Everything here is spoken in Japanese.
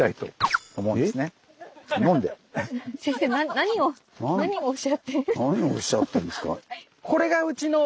何をおっしゃってんですか？